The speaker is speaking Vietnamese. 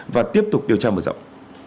và tiếp tục điều tra mở rộng